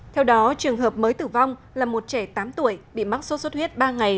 theo đó trường hợp mới tử vong là một trẻ tám tuổi bị mắc sốt xuất huyết ba ngày